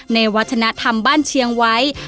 ในวัฒนธรรมบ้านเชียงไว้